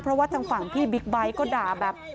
เพราะว่าทางฝั่งพี่บิ๊กไบท์ก็ด่าแบบ